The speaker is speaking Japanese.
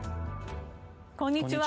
こんにちは。